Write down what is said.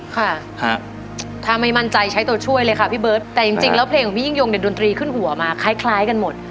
ค่ะถ้าไม่มั่นใจใช้ตัวช่วยเลยค่ะพี่เบิร์ตแต่จริงแล้วเพลงของพี่ยิ่งยงเนี่ยดนตรีขึ้นหัวมาคล้ายกันหมด